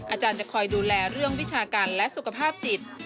อาจารย์จะคอยดูแลเรื่องวิชาการและสุขภาพจิต